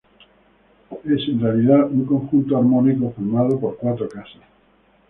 Es, en realidad, un conjunto armónico formado por cuatro casas.